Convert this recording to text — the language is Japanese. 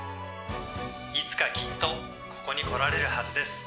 いつかきっとここに来られるはずです」。